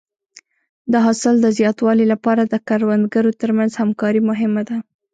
د حاصل د زیاتوالي لپاره د کروندګرو تر منځ همکاري مهمه ده.